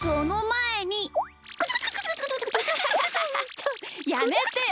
ちょっやめてよ。